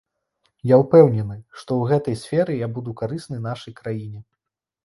Я ўпэўнены, што ў гэтай сферы я буду карысны нашай краіне.